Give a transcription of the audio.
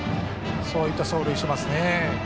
そういった走塁しますね。